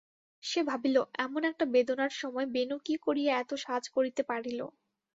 সে ভাবিল, এমন একটা বেদনার সময় বেণু কী করিয়া এত সাজ করিতে পারিল।